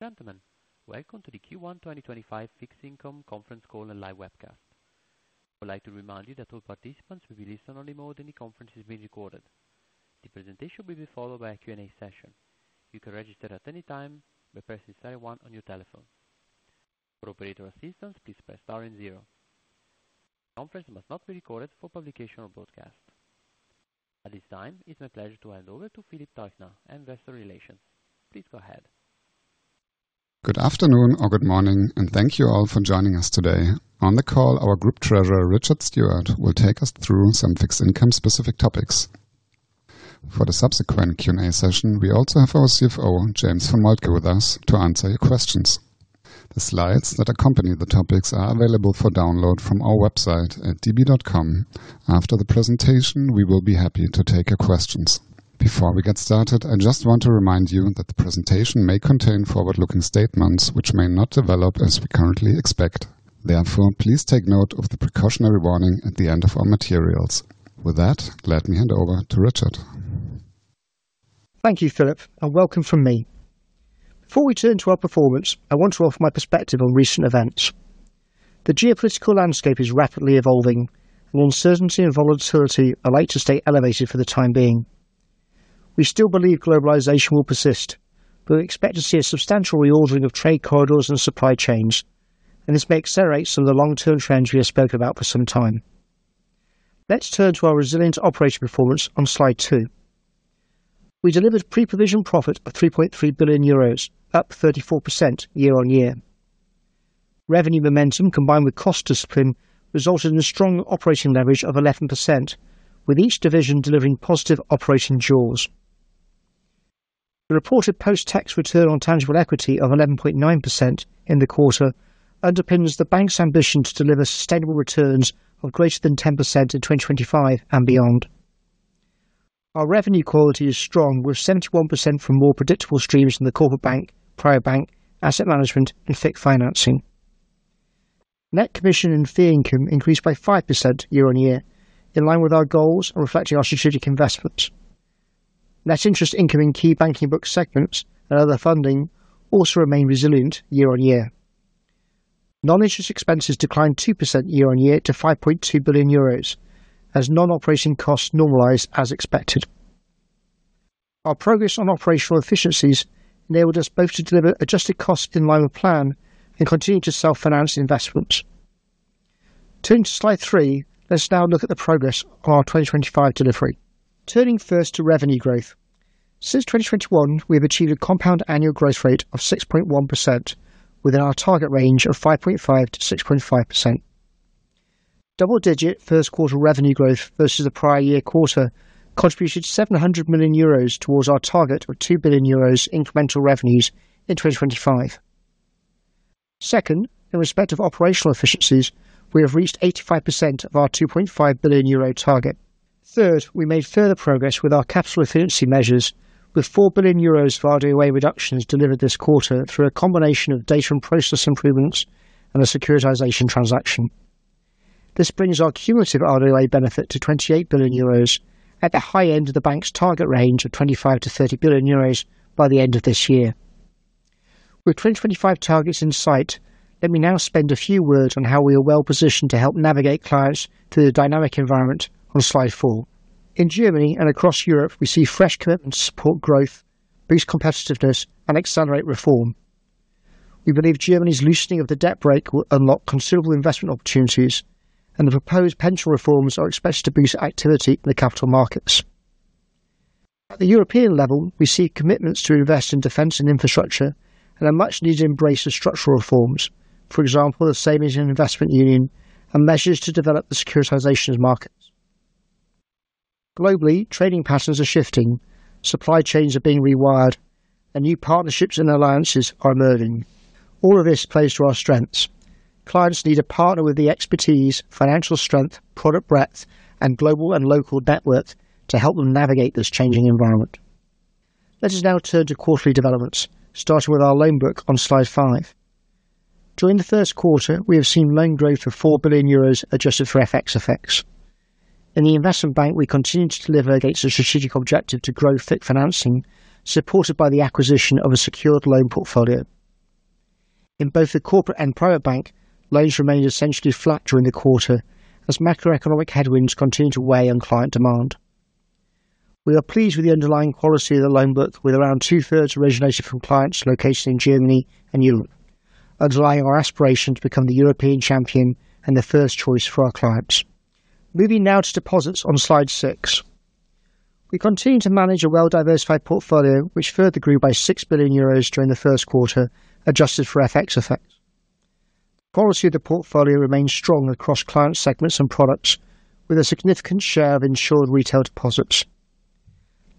Gentlemen, welcome to the Q1 2025 Fixed Income Conference Call and Live Webcast. I would like to remind you that all participants will be listen-only mode. Any conferences are being recorded. The presentation will be followed by a Q&A session. You can register at any time by pressing Star 1 on your telephone. For operator assistance, please press Star and Zero. The conference must not be recorded for publication or broadcast. At this time, it's my pleasure to hand over to Philip Teuchner, Investor Relations. Please go ahead. Good afternoon or good morning, and thank you all for joining us today. On the call, our Group Treasurer, Richard Stewart, will take us through some fixed income-specific topics. For the subsequent Q&A session, we also have our CFO, James von Moltke, with us to answer your questions. The slides that accompany the topics are available for download from our website at db.com. After the presentation, we will be happy to take your questions. Before we get started, I just want to remind you that the presentation may contain forward-looking statements which may not develop as we currently expect. Therefore, please take note of the precautionary warning at the end of our materials. With that, let me hand over to Richard. Thank you, Philip, and welcome from me. Before we turn to our performance, I want to offer my perspective on recent events. The geopolitical landscape is rapidly evolving, and uncertainty and volatility are likely to stay elevated for the time being. We still believe globalization will persist, but we expect to see a substantial reordering of trade corridors and supply chains, and this may accelerate some of the long-term trends we have spoken about for some time. Let's turn to our resilience operating performance on slide two. We delivered pre-provision profit of 3.3 billion euros, up 34% year on year. Revenue momentum, combined with cost discipline, resulted in a strong operating leverage of 11%, with each division delivering positive operating draws. The reported post-tax return on tangible equity of 11.9% in the quarter underpins the bank's ambition to deliver sustainable returns of greater than 10% in 2025 and beyond. Our revenue quality is strong, with 71% from more predictable streams in the corporate bank, private bank, asset management, and FIC Financing. Net commission and fee income increased by 5% year on year, in line with our goals and reflecting our strategic investments. Net interest income in key banking book segments and other funding also remained resilient year on year. Non-interest expenses declined 2% year on year to 5.2 billion euros, as non-operating costs normalized as expected. Our progress on operational efficiencies enabled us both to deliver adjusted costs in line with plan and continue to self-finance investments. Turning to slide three, let's now look at the progress on our 2025 delivery. Turning first to revenue growth. Since 2021, we have achieved a compound annual growth rate of 6.1%, within our target range of 5.5%-6.5%. Double-digit first quarter revenue growth versus the prior year quarter contributed 700 million euros towards our target of 2 billion euros incremental revenues in 2025. Second, in respect of operational efficiencies, we have reached 85% of our 2.5 billion euro target. Third, we made further progress with our capital efficiency measures, with 4 billion euros of RWA reductions delivered this quarter through a combination of data and process improvements and a securitization transaction. This brings our cumulative RWA benefit to 28 billion euros, at the high end of the bank's target range of 25-30 billion euros by the end of this year. With 2025 targets in sight, let me now spend a few words on how we are well positioned to help navigate clients through the dynamic environment on slide four. In Germany and across Europe, we see fresh commitments to support growth, boost competitiveness, and accelerate reform. We believe Germany's loosening of the debt brake will unlock considerable investment opportunities, and the proposed pension reforms are expected to boost activity in the capital markets. At the European level, we see commitments to invest in defense and infrastructure and a much-needed embrace of structural reforms, for example, the Savings and Investment Union and measures to develop the securitization markets. Globally, trading patterns are shifting, supply chains are being rewired, and new partnerships and alliances are emerging. All of this plays to our strengths. Clients need a partner with the expertise, financial strength, product breadth, and global and local debt worth to help them navigate this changing environment. Let us now turn to quarterly developments, starting with our loan book on slide five. During the first quarter, we have seen loan growth of 4 billion euros adjusted for FX effects. In the investment bank, we continue to deliver against the strategic objective to grow Fixed Financing, supported by the acquisition of a secured loan portfolio. In both the corporate and private bank, loans remained essentially flat during the quarter, as macroeconomic headwinds continued to weigh on client demand. We are pleased with the underlying quality of the loan book, with around two-thirds originated from clients located in Germany and Europe, underlying our aspiration to become the European champion and the first choice for our clients. Moving now to deposits on slide six. We continue to manage a well-diversified portfolio, which further grew by 6 billion euros during the first quarter, adjusted for FX effects. The quality of the portfolio remains strong across client segments and products, with a significant share of insured retail deposits.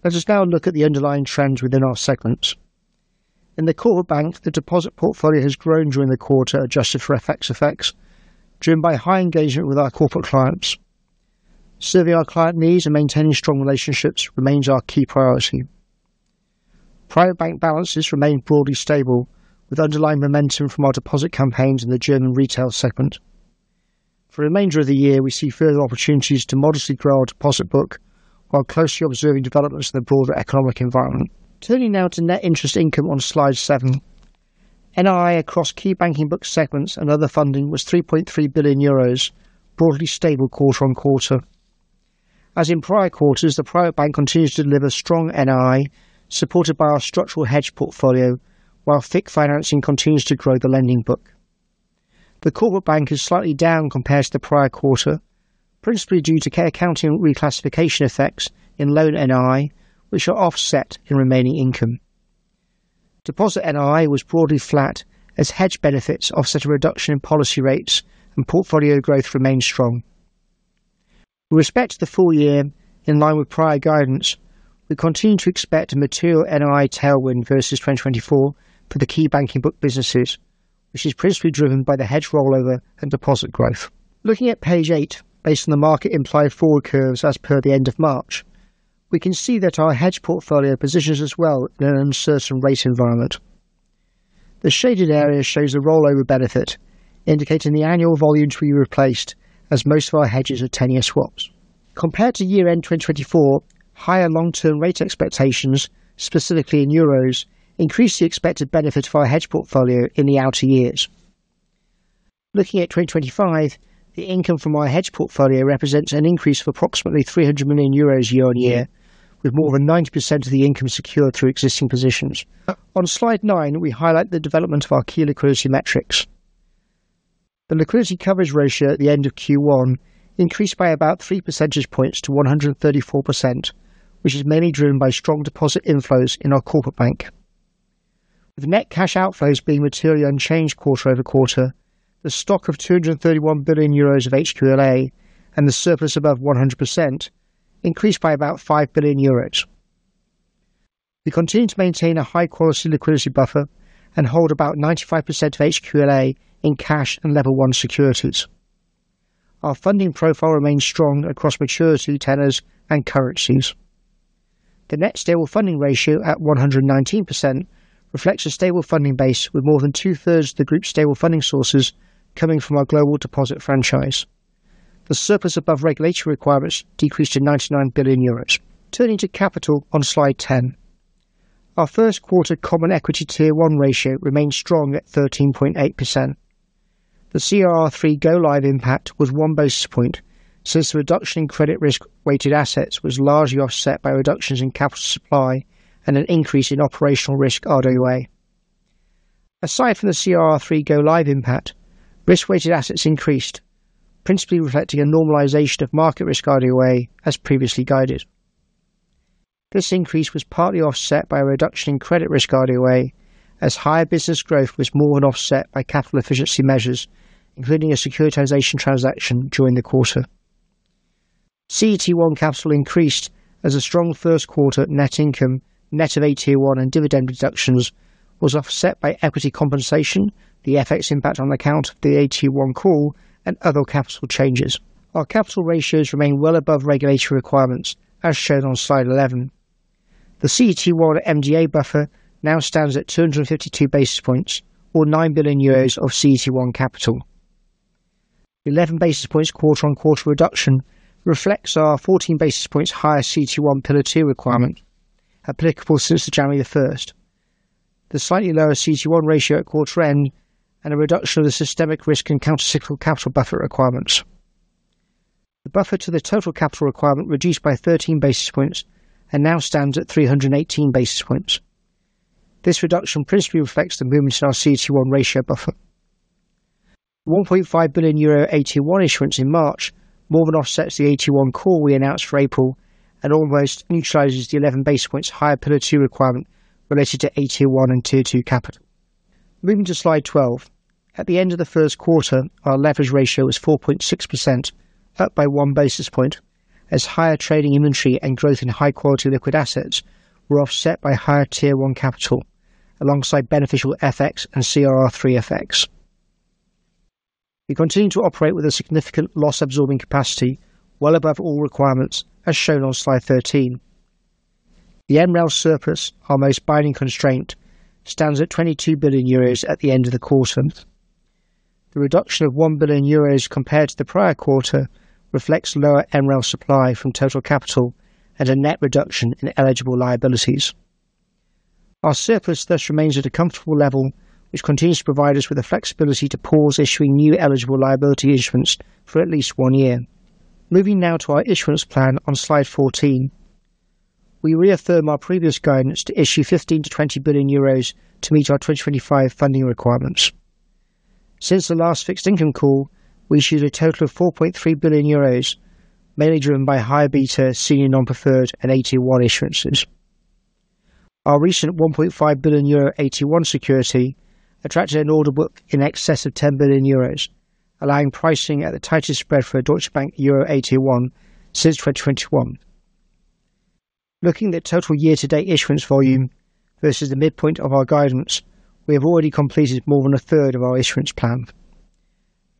Let us now look at the underlying trends within our segments. In the corporate bank, the deposit portfolio has grown during the quarter, adjusted for FX effects, driven by high engagement with our corporate clients. Serving our client needs and maintaining strong relationships remains our key priority. Private bank balances remain broadly stable, with underlying momentum from our deposit campaigns in the German retail segment. For the remainder of the year, we see further opportunities to modestly grow our deposit book while closely observing developments in the broader economic environment. Turning now to net interest income on slide seven. NII across key banking book segments and other funding was 3.3 billion euros, broadly stable quarter on quarter. As in prior quarters, the private bank continues to deliver strong NII, supported by our structural hedge portfolio, while FIC Financing continues to grow the lending book. The corporate bank is slightly down compared to the prior quarter, principally due to accounting reclassification effects in loan NII, which are offset in remaining income. Deposit NII was broadly flat, as hedge benefits offset a reduction in policy rates, and portfolio growth remained strong. With respect to the full year, in line with prior guidance, we continue to expect a material NII tailwind versus 2024 for the key banking book businesses, which is principally driven by the hedge rollover and deposit growth. Looking at page eight, based on the market implied forward curves as per the end of March, we can see that our hedge portfolio positions as well in an uncertain rate environment. The shaded area shows the rollover benefit, indicating the annual volumes we replaced, as most of our hedges are 10-year swaps. Compared to year-end 2024, higher long-term rate expectations, specifically in euros, increased the expected benefit of our hedge portfolio in the outer years. Looking at 2025, the income from our hedge portfolio represents an increase of approximately 300 million euros year on year, with more than 90% of the income secured through existing positions. On slide nine, we highlight the development of our key liquidity metrics. The liquidity coverage ratio at the end of Q1 increased by about three percentage points to 134%, which is mainly driven by strong deposit inflows in our corporate bank. With net cash outflows being materially unchanged quarter over quarter, the stock of 231 billion euros of HQLA and the surplus above 100% increased by about 5 billion euros. We continue to maintain a high-quality liquidity buffer and hold about 95% of HQLA in cash and Level 1 securities. Our funding profile remains strong across maturity, tenors, and currencies. The net stable funding ratio at 119% reflects a stable funding base, with more than two-thirds of the group's stable funding sources coming from our global deposit franchise. The surplus above regulatory requirements decreased to 99 billion euros. Turning to capital on slide ten, our first quarter common equity Tier 1 ratio remained strong at 13.8%. The CRR3 go-live impact was one basis point since the reduction in credit risk-weighted assets was largely offset by reductions in capital supply and an increase in operational risk RWA. Aside from the CRR3 go-live impact, risk-weighted assets increased, principally reflecting a normalization of market risk RWA, as previously guided. This increase was partly offset by a reduction in credit risk RWA, as higher business growth was more than offset by capital efficiency measures, including a securitization transaction during the quarter. CET1 capital increased as a strong first quarter net income, net of AT1 and dividend deductions, was offset by equity compensation, the FX impact on account of the AT1 call, and other capital changes. Our capital ratios remain well above regulatory requirements, as shown on slide 11. The CET1 MDA buffer now stands at 252 basis points, or 9 billion euros of CET1 capital. The 11 basis points quarter-on-quarter reduction reflects our 14 basis points higher CET1 Pillar 2 requirement, applicable since January 1. The slightly lower CET1 ratio at quarter end and a reduction of the systemic risk and countercyclical capital buffer requirements. The buffer to the total capital requirement reduced by 13 basis points and now stands at 318 basis points. This reduction principally reflects the movement in our CET1 ratio buffer. 1.5 billion AT1 issuance in March more than offsets the AT1 call we announced for April and almost neutralizes the 11 basis points higher Pillar 2 requirement related to AT1 and Tier 2 capital. Moving to slide 12. At the end of the first quarter, our leverage ratio was 4.6%, up by one basis point, as higher trading inventory and growth in high-quality liquid assets were offset by higher tier one capital, alongside beneficial FX and CRR3 FX. We continue to operate with a significant loss-absorbing capacity, well above all requirements, as shown on slide 13. The MREL surplus, our most binding constraint, stands at 22 billion euros at the end of the quarter. The reduction of 1 billion euros compared to the prior quarter reflects lower MREL supply from total capital and a net reduction in eligible liabilities. Our surplus thus remains at a comfortable level, which continues to provide us with the flexibility to pause issuing new eligible liability instruments for at least one year. Moving now to our issuance plan on slide 14. We reaffirm our previous guidance to issue 15 billion-20 billion euros to meet our 2025 funding requirements. Since the last fixed income call, we issued a total of 4.3 billion euros, mainly driven by higher beta, senior non-preferred, and AT1 issuances. Our recent 1.5 billion euro AT1 security attracted an order book in excess of 10 billion euros, allowing pricing at the tightest spread for a Deutsche Bank Euro AT1 since 2021. Looking at total year-to-date issuance volume versus the midpoint of our guidance, we have already completed more than a third of our issuance plan.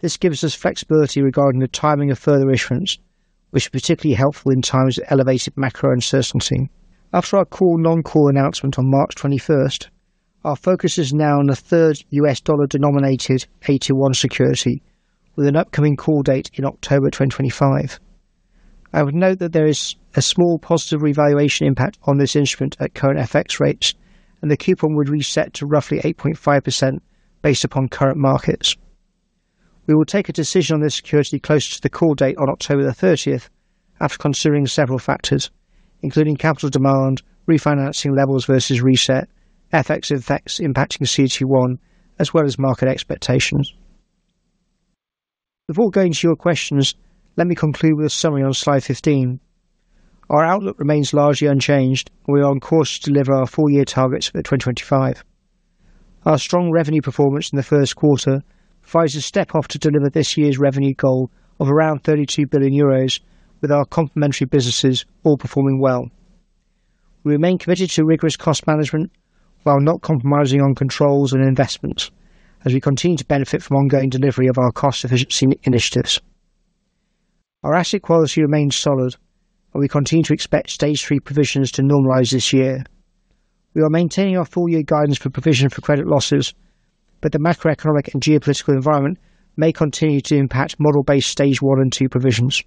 This gives us flexibility regarding the timing of further issuance, which is particularly helpful in times of elevated macro uncertainty. After our call non-call announcement on March 21, our focus is now on the third U.S. dollar denominated AT1 security, with an upcoming call date in October 2025. I would note that there is a small positive revaluation impact on this instrument at current FX rates, and the coupon would reset to roughly 8.5% based upon current markets. We will take a decision on this security closer to the call date on October 30, after considering several factors, including capital demand, refinancing levels versus reset, FX effects impacting CET1, as well as market expectations. Before going to your questions, let me conclude with a summary on slide 15. Our outlook remains largely unchanged, and we are on course to deliver our full year targets for 2025. Our strong revenue performance in the first quarter provides a step off to deliver this year's revenue goal of around 32 billion euros, with our complementary businesses all performing well. We remain committed to rigorous cost management while not compromising on controls and investments, as we continue to benefit from ongoing delivery of our cost efficiency initiatives. Our asset quality remains solid, and we continue to expect stage three provisions to normalize this year. We are maintaining our full year guidance for provision for credit losses, but the macroeconomic and geopolitical environment may continue to impact model-based stage one and two provisions.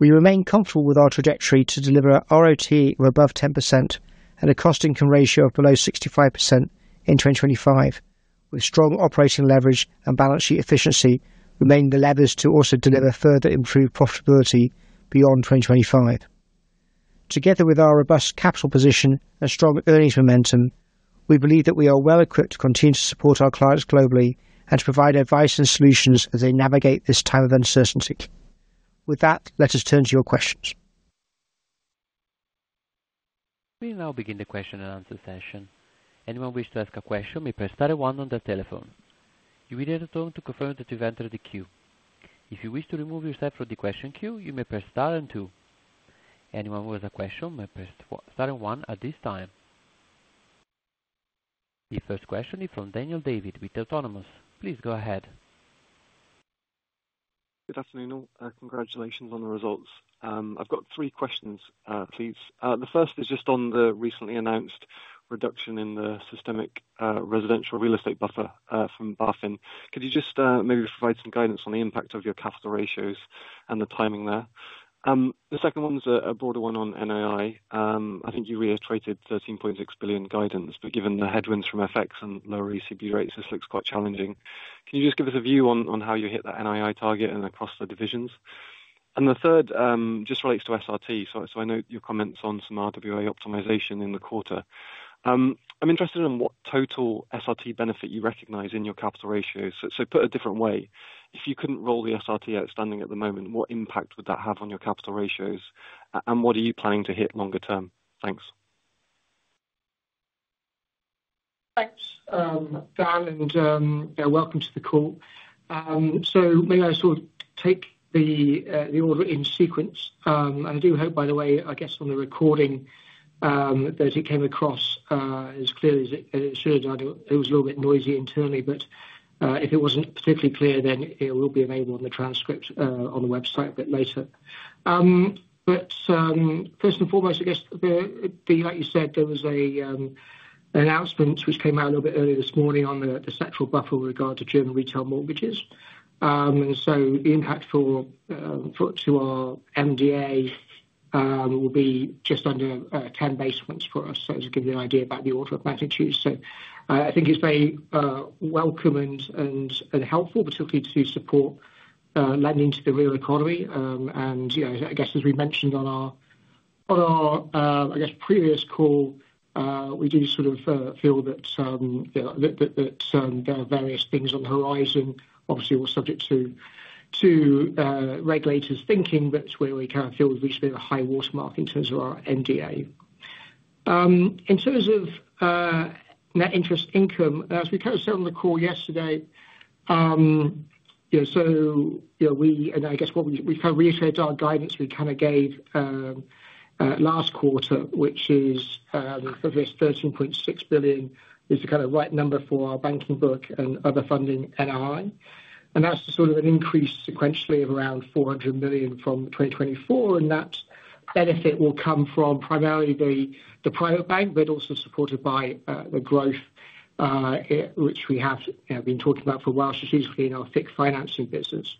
We remain comfortable with our trajectory to deliver RoTE of above 10% and a cost income ratio of below 65% in 2025, with strong operating leverage and balance sheet efficiency remaining the levers to also deliver further improved profitability beyond 2025. Together with our robust capital position and strong earnings momentum, we believe that we are well equipped to continue to support our clients globally and to provide advice and solutions as they navigate this time of uncertainty. With that, let us turn to your questions. We will now begin the question and answer session. Anyone who wishes to ask a question may press star and one on the telephone. You will hear the tone to confirm that you've entered the queue. If you wish to remove yourself from the question queue, you may press star and two. Anyone who has a question may press star and one at this time. The first question is from Daniel David with Autonomous. Please go ahead. Good afternoon. Congratulations on the results. I've got three questions, please. The first is just on the recently announced reduction in the systemic residential real estate buffer from BaFin. Could you just maybe provide some guidance on the impact of your capital ratios and the timing there? The second one is a broader one on NII. I think you reiterated 13.6 billion guidance, but given the headwinds from FX and lower ECB rates, this looks quite challenging. Can you just give us a view on how you hit that NII target and across the divisions? The third just relates to SRT. I note your comments on some RWA optimization in the quarter. I'm interested in what total SRT benefit you recognize in your capital ratios. Put a different way, if you could not roll the SRT outstanding at the moment, what impact would that have on your capital ratios? What are you planning to hit longer term? Thanks. Thanks, Dan, and welcome to the call. May I sort of take the order in sequence? I do hope, by the way, I guess on the recording that it came across as clearly as it should. I know it was a little bit noisy internally. If it was not particularly clear, then it will be available on the transcript on the website a bit later. First and foremost, I guess, like you said, there was an announcement which came out a little bit earlier this morning on the central buffer with regard to German retail mortgages. The impact to our MDA will be just under 10 basis points for us. It is giving you an idea about the order of magnitude. I think it is very welcome and helpful, particularly to support lending to the real economy. As we mentioned on our previous call, we do sort of feel that there are various things on the horizon, obviously all subject to regulators' thinking, but it is where we kind of feel we have reached a bit of a high watermark in terms of our MDA. In terms of net interest income, as we kind of said on the call yesterday, we kind of reiterated our guidance we gave last quarter, which is for this 13.6 billion as the kind of right number for our banking book and other funding NII. That is an increase sequentially of around 400 million from 2024. That benefit will come from primarily the private bank, but also supported by the growth, which we have been talking about for a while, strategically in our FIC Financing business.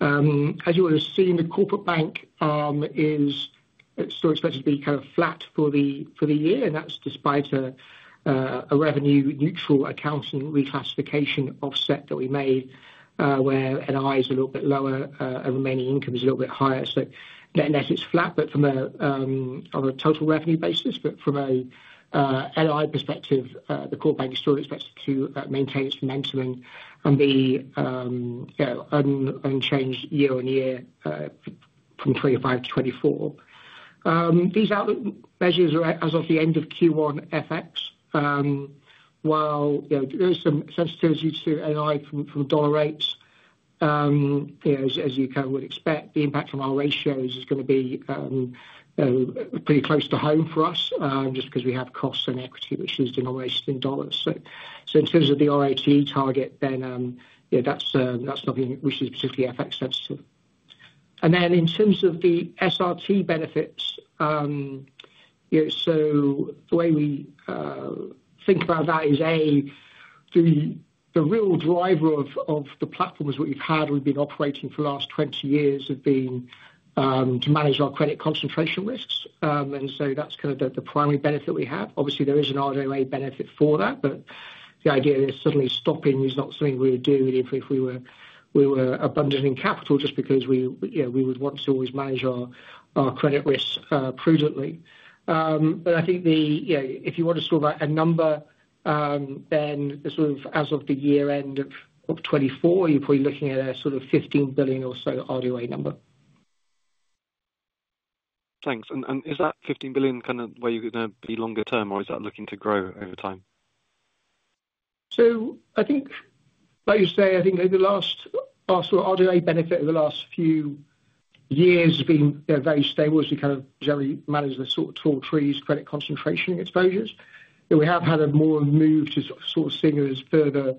As you will have seen, the corporate bank is still expected to be kind of flat for the year, and that's despite a revenue-neutral accounting reclassification offset that we made, where NII is a little bit lower and remaining income is a little bit higher. It is flat, but from a total revenue basis, but from an NII perspective, the corporate bank is still expected to maintain its momentum and be unchanged year on year from 2025 to 2024. These outlook measures are as of the end of Q1 FX, while there is some sensitivity to NII from dollar rates, as you kind of would expect. The impact from our ratios is going to be pretty close to home for us, just because we have costs and equity, which is denominated in dollars. In terms of the RoTE target, then that's something which is particularly FX sensitive. In terms of the SRT benefits, the way we think about that is, A, the real driver of the platform is what we've had. We've been operating for the last 20 years of being to manage our credit concentration risks. That's kind of the primary benefit we have. Obviously, there is an RWA benefit for that, but the idea is suddenly stopping is not something we would do if we were abundant in capital, just because we would want to always manage our credit risks prudently. I think if you want to sort of a number, then as of the year end of 2024, you're probably looking at a sort of 15 billion or so RWA number. Thanks. Is that 15 billion kind of where you're going to be longer term, or is that looking to grow over time? I think, like you say, I think the last sort of RWA benefit of the last few years has been very stable, as we kind of generally manage the sort of tall trees, credit concentration exposures. We have had a more move to sort of seeing as further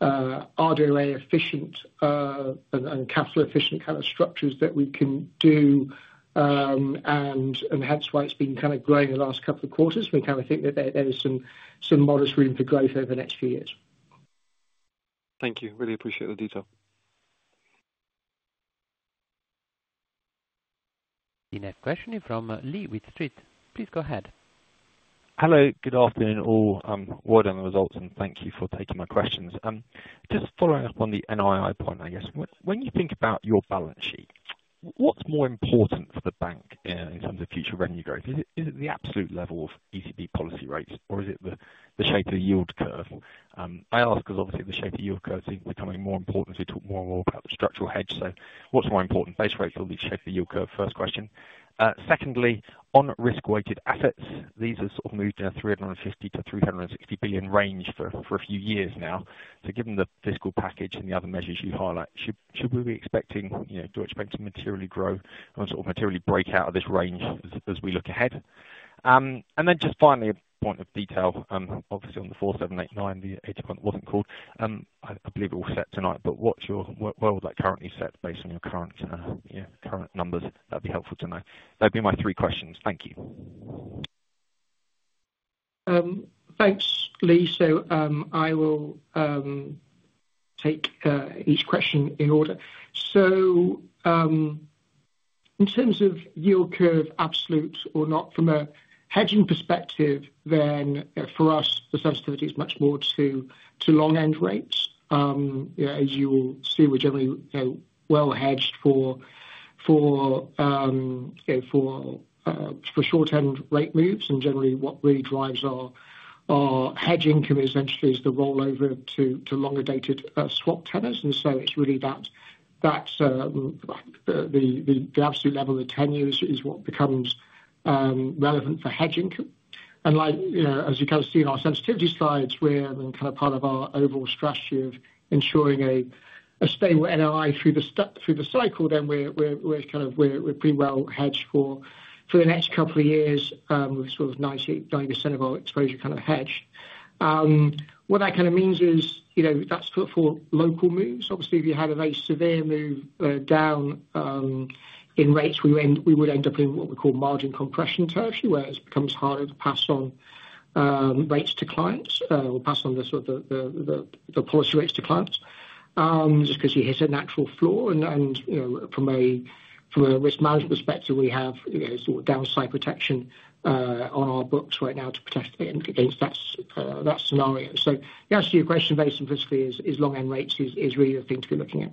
RWA efficient and capital efficient kind of structures that we can do, and hence why it's been kind of growing the last couple of quarters. We kind of think that there is some modest room for growth over the next few years. Thank you. Really appreciate the detail. The next question is from Lee with Streets. Please go ahead. Hello. Good afternoon all. I'm Ward and I'm a result, and thank you for taking my questions. Just following up on the NII point, I guess, when you think about your balance sheet, what's more important for the bank in terms of future revenue growth? Is it the absolute level of ECB policy rates, or is it the shape of the yield curve? I ask because obviously the shape of the yield curve seems becoming more important as we talk more and more about the structural hedge. So what's more important, base rate or the shape of the yield curve? First question. Secondly, on risk-weighted assets, these have sort of moved in a 350-360 billion range for a few years now. So given the fiscal package and the other measures you highlight, should we be expecting, do you expect to materially grow and sort of materially break out of this range as we look ahead? And then just finally, a point of detail, obviously on the 4,789, the AT1 point was not called. I believe it will be set tonight, but what is your world like currently set based on your current numbers? That would be helpful to know. That would be my three questions. Thank you. Thank you, Lee. I will take each question in order. In terms of yield curve, absolute or not, from a hedging perspective, for us, the sensitivity is much more to long-end rates. As you will see, we are generally well hedged for short-end rate moves. Generally, what really drives our hedging commitment is the rollover to longer-dated swap tethers. It is really that the absolute level of the ten-year is what becomes relevant for hedging. As you can see in our sensitivity slides, we are kind of part of our overall strategy of ensuring a stable NII through the cycle. We're kind of pretty well hedged for the next couple of years with sort of 90% of our exposure kind of hedged. What that kind of means is that's for local moves. Obviously, if you have a very severe move down in rates, we would end up in what we call margin compression territory, where it becomes harder to pass on rates to clients or pass on the sort of the policy rates to clients just because you hit a natural floor. From a risk management perspective, we have sort of downside protection on our books right now to protect against that scenario. Yes, your question very simplistically is long-end rates is really the thing to be looking at.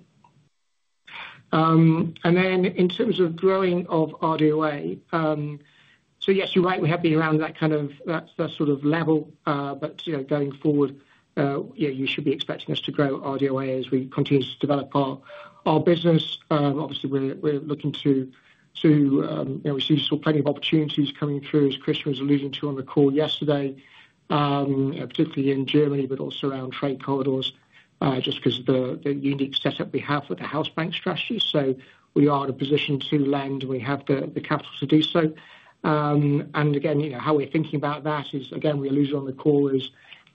In terms of growing RWA, yes, you're right, we have been around that kind of sort of level, but going forward, you should be expecting us to grow RWA as we continue to develop our business. Obviously, we're looking to see plenty of opportunities coming through, as Christian was alluding to on the call yesterday, particularly in Germany, but also around trade corridors just because of the unique setup we have with the House Bank strategy. We are in a position to lend, and we have the capital to do so. Again, how we're thinking about that is, as we alluded on the call,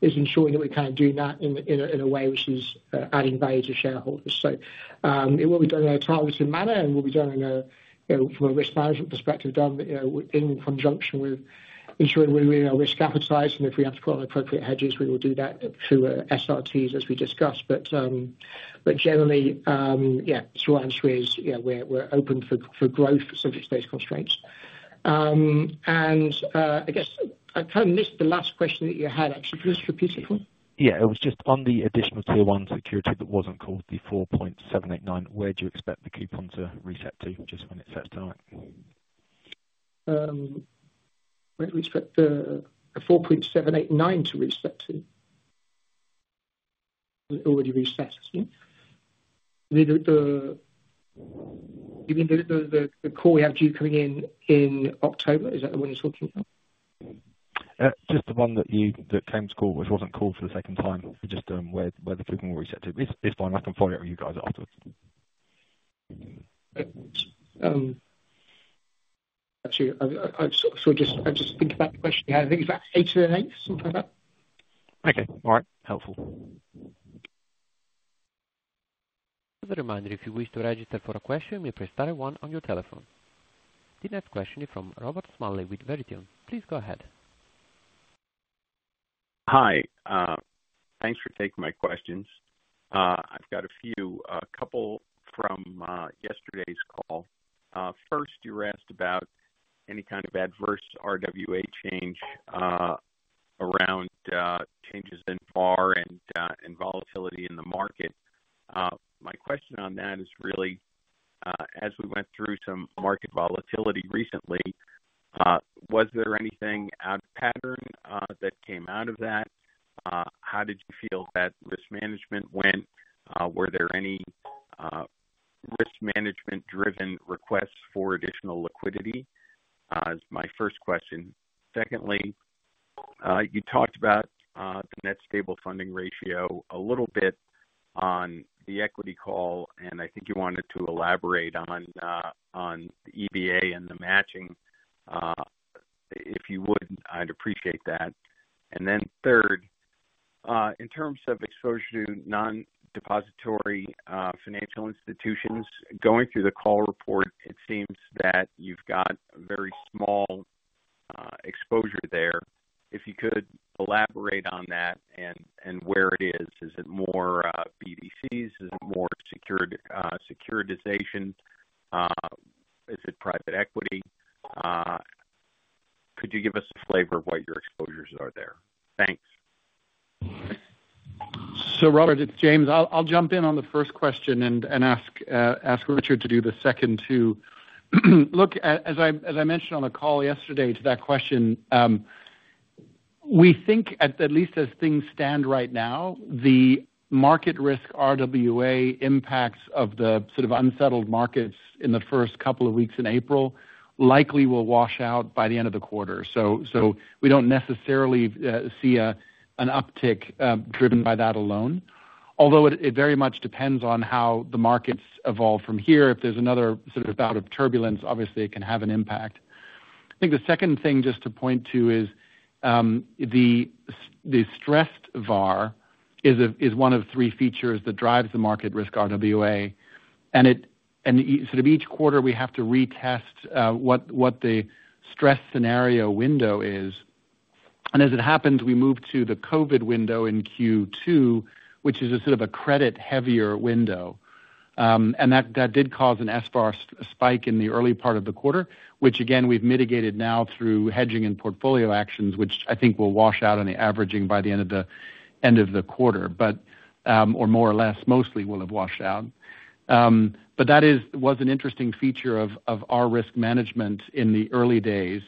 ensuring that we do that in a way which is adding value to shareholders. It will be done in a targeted manner, and will be done from a risk management perspective, done in conjunction with ensuring we're really our risk appetite. If we have to put on appropriate hedges, we will do that through SRTs, as we discussed. Generally, yeah, short answer is we're open for growth, simply space constraints. I guess I kind of missed the last question that you had, actually. Can you just repeat it for me? Yeah. It was just on the additional tier one security that was not called, the 4.789, where do you expect the coupon to reset to just when it sets tonight? Where do we expect the 4.789 to reset to? It already resets, is not it? You mean the call we have due coming in in October? Is that the one you are talking about? Just the one that came to call, which wasn't called for the second time, just where the coupon will reset to. It's fine. I can follow up with you guys afterwards. Actually, I just think about the question you had. I think it's about 8th and 8th, something like that. Okay. All right. Helpful. As a reminder, if you wish to register for a question, you may press star and one on your telephone. The next question is from Robert Smalley with Verition. Please go ahead. Hi. Thanks for taking my questions. I've got a couple from yesterday's call. First, you were asked about any kind of adverse RWA change around changes in SVAR and volatility in the market. My question on that is really, as we went through some market volatility recently, was there anything out of pattern that came out of that? How did you feel that risk management went? Were there any risk management-driven requests for additional liquidity? That's my first question. Secondly, you talked about the net stable funding ratio a little bit on the equity call, and I think you wanted to elaborate on the EBA and the matching. If you would, I'd appreciate that. Third, in terms of exposure to non-depository financial institutions, going through the call report, it seems that you've got very small exposure there. If you could elaborate on that and where it is. Is it more BDCs? Is it more securitization? Is it private equity? Could you give us a flavor of what your exposures are there? Thanks. Robert, it's James. I'll jump in on the first question and ask Richard to do the second too. Look, as I mentioned on the call yesterday to that question, we think, at least as things stand right now, the market risk RWA impacts of the sort of unsettled markets in the first couple of weeks in April likely will wash out by the end of the quarter. We do not necessarily see an uptick driven by that alone, although it very much depends on how the markets evolve from here. If there is another sort of bout of turbulence, obviously it can have an impact. I think the second thing just to point to is the stressed SVAR is one of three features that drives the market risk RWA. Each quarter, we have to retest what the stress scenario window is. As it happens, we moved to the COVID window in Q2, which is a sort of a credit-heavier window. That did cause an SVAR spike in the early part of the quarter, which, again, we've mitigated now through hedging and portfolio actions, which I think will wash out on the averaging by the end of the quarter, or more or less, mostly will have washed out. That was an interesting feature of our risk management in the early days.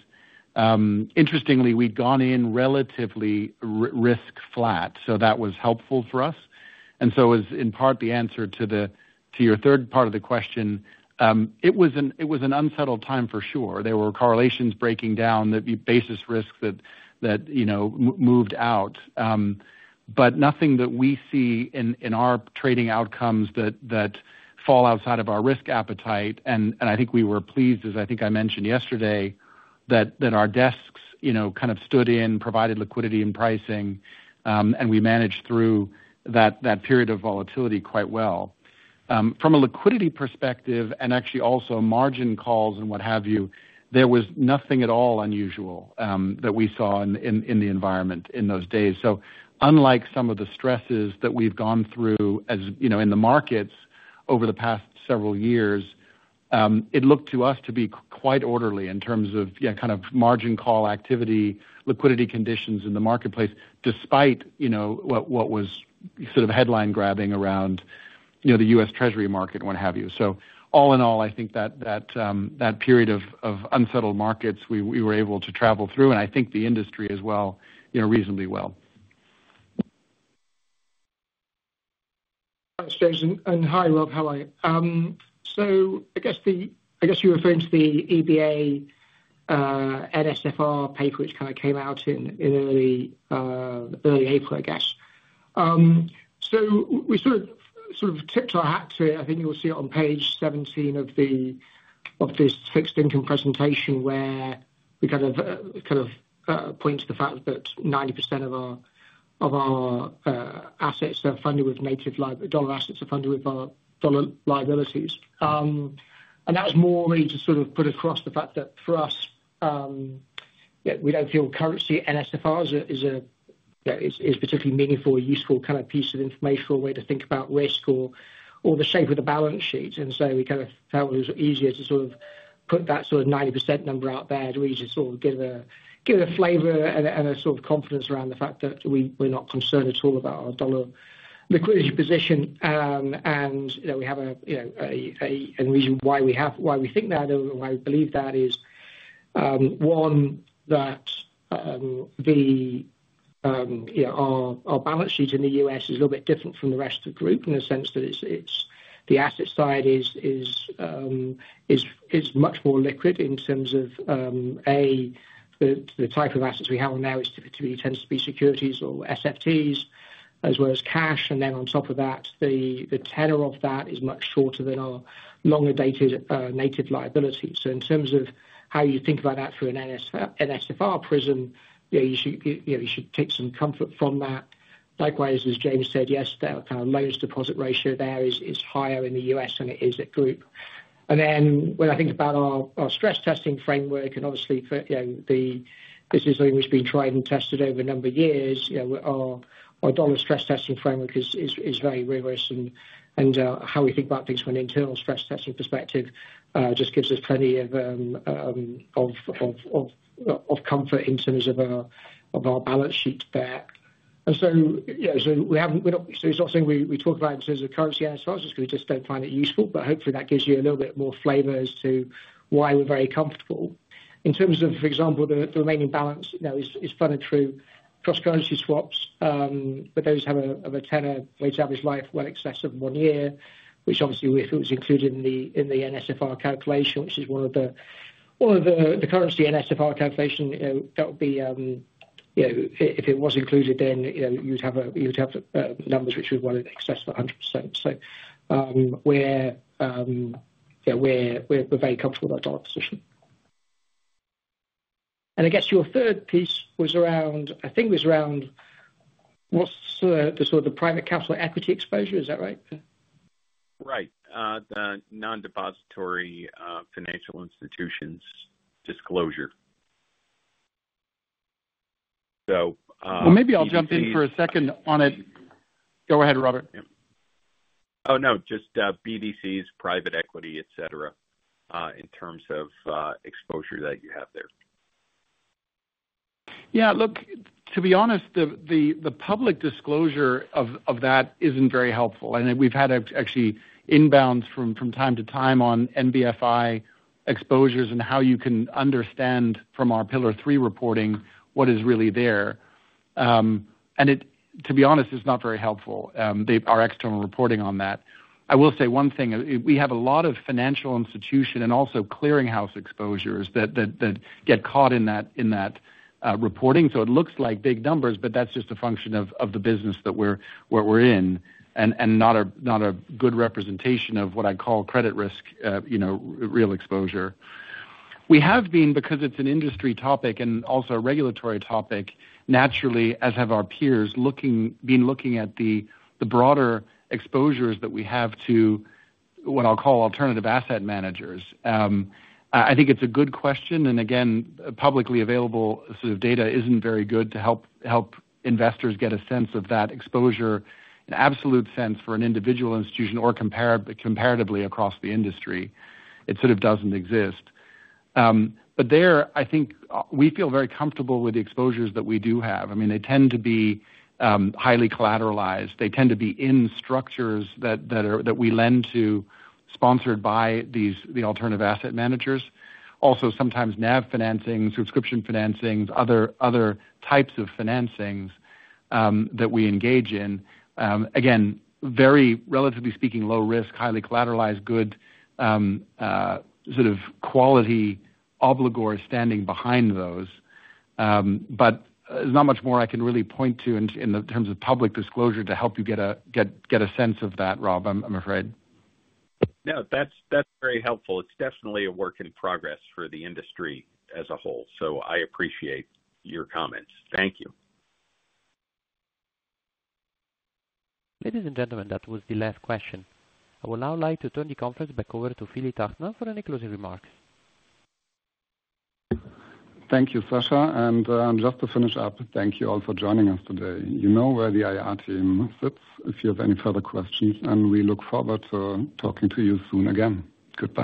Interestingly, we'd gone in relatively risk-flat, so that was helpful for us. It was in part the answer to your third part of the question. It was an unsettled time for sure. There were correlations breaking down, the basis risk that moved out, but nothing that we see in our trading outcomes that fall outside of our risk appetite. I think we were pleased, as I think I mentioned yesterday, that our desks kind of stood in, provided liquidity and pricing, and we managed through that period of volatility quite well. From a liquidity perspective and actually also margin calls and what have you, there was nothing at all unusual that we saw in the environment in those days. Unlike some of the stresses that we have gone through in the markets over the past several years, it looked to us to be quite orderly in terms of kind of margin call activity, liquidity conditions in the marketplace, despite what was sort of headline grabbing around the U.S. Treasury market and what have you. All in all, I think that period of unsettled markets we were able to travel through, and I think the industry as well, reasonably well. Thanks, James. Hi, Rob. Hello. I guess you referred to the EBA NSFR paper, which kind of came out in early April, I guess. We sort of tipped our hat to it. I think you'll see it on page 17 of this fixed income presentation where we kind of point to the fact that 90% of our assets are funded with native dollar assets are funded with our dollar liabilities. That was more really to sort of put across the fact that for us, we don't feel currency NSFR is a particularly meaningful or useful kind of piece of information or way to think about risk or the shape of the balance sheet. We kind of felt it was easier to sort of put that sort of 90% number out there to really just sort of give a flavor and a sort of confidence around the fact that we're not concerned at all about our dollar liquidity position. We have a reason why we think that, or why we believe that is, one, that our balance sheet in the U.S. is a little bit different from the rest of the group in the sense that the asset side is much more liquid in terms of, A, the type of assets we have now typically tends to be securities or SFTs, as well as cash. On top of that, the tenor of that is much shorter than our longer-dated native liability. In terms of how you think about that through an NSFR prism, you should take some comfort from that. Likewise, as James said, yes, the kind of loans deposit ratio there is higher in the U.S. than it is at group. When I think about our stress testing framework, and obviously this is something we've been trying and tested over a number of years, our dollar stress testing framework is very rigorous. How we think about things from an internal stress testing perspective just gives us plenty of comfort in terms of our balance sheet there. It is not something we talk about in terms of currency NSFRs, just because we just do not find it useful. Hopefully, that gives you a little bit more flavor as to why we are very comfortable. In terms of, for example, the remaining balance is funded through cross-currency swaps, but those have a tenor where its average life well exceeds one year, which obviously, if it was included in the NSFR calculation, which is one of the currency NSFR calculations, that would be if it was included, then you'd have numbers which would well exceed 100%. We are very comfortable with our dollar position. I guess your third piece was around, I think it was around what's the sort of the private capital equity exposure? Is that right? Right. The non-depository financial institutions disclosure. Maybe I'll jump in for a second on it. Go ahead, Robert. Oh, no, just BDCs, private equity, etc., in terms of exposure that you have there. Yeah. Look, to be honest, the public disclosure of that isn't very helpful. We have actually had inbounds from time to time on NBFI exposures and how you can understand from our Pillar Three reporting what is really there. To be honest, it's not very helpful, our external reporting on that. I will say one thing. We have a lot of financial institution and also clearinghouse exposures that get caught in that reporting. It looks like big numbers, but that's just a function of the business that we're in and not a good representation of what I call credit risk real exposure. We have been, because it's an industry topic and also a regulatory topic, naturally, as have our peers, looking at the broader exposures that we have to what I'll call alternative asset managers. I think it's a good question. Publicly available sort of data is not very good to help investors get a sense of that exposure in absolute sense for an individual institution or comparatively across the industry. It sort of does not exist. There, I think we feel very comfortable with the exposures that we do have. I mean, they tend to be highly collateralized. They tend to be in structures that we lend to sponsored by the alternative asset managers. Also, sometimes NAV financing, subscription financings, other types of financings that we engage in. Again, relatively speaking, low risk, highly collateralized, good sort of quality obligor standing behind those. There is not much more I can really point to in terms of public disclosure to help you get a sense of that, Rob, I am afraid. No, that is very helpful. It is definitely a work in progress for the industry as a whole. I appreciate your comments. Thank you. Ladies and gentlemen, that was the last question. I will now like to turn the conference back over to Philip Teuchner for any closing remarks. Thank you, Sascha. Just to finish up, thank you all for joining us today. You know where the IR team sits if you have any further questions. We look forward to talking to you soon again. Good.